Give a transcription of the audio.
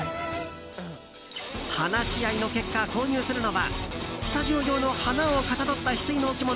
話し合いの結果、購入するのはスタジオ用の花をかたどったヒスイの置物